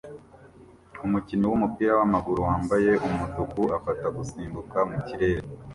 Umukinnyi wumupira wamaguru wambaye umutuku afata gusimbuka mu kirere